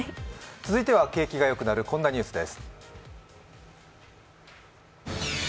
続いては景気がよくなるこんなニュースです。